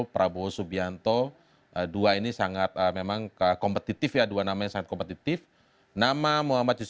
pertanyaan mana tadi